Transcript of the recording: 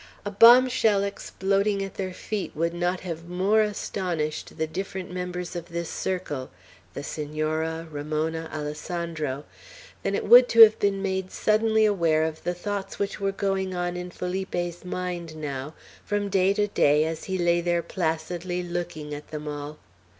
A bomb shell exploding at their feet would not have more astonished the different members of this circle, the Senora, Ramona, Alessandro, than it would to have been made suddenly aware of the thoughts which were going on in Felipe's mind now, from day to day, as he lay there placidly looking at them all.